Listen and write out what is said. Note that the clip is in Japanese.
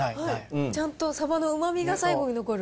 ちゃんとサバのうまみが最後残る。